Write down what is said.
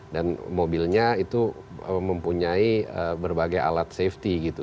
dan mobilnya itu mempunyai berbagai alat safety gitu